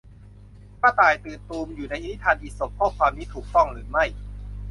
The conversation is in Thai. กระต่ายตื่นตูม อยู่ในนิทานอีสป ข้อความนี้ถูกต้องหรือไม่